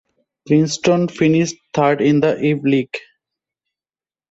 Princeton finished third in the Ivy League.